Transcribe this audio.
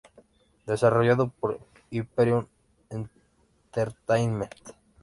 Desarrollado por Hyperion Entertainment.